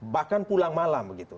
bahkan pulang malam begitu